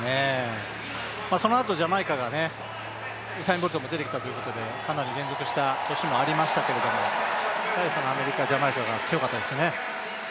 そのあとジャマイカがウサイン・ボルトが出てきたということでかなり連続した年もありましたけれども、やはりアメリカ、ジャマイカが強かったですね。